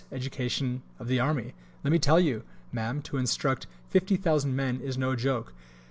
's education of the army! let me tell you, Ma'am, to instruct 50,000 men is no joke.